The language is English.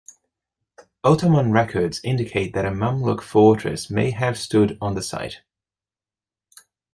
Ottoman records indicate that a Mamluk fortress may have stood on the site.